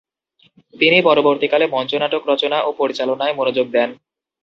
তিনি পরবর্তীকালে মঞ্চনাটক রচনা ও পরিচালনায় মনোযোগ দেন।